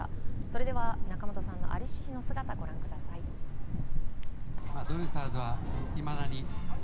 それでは、仲本さんの在りし日の姿をご覧ください。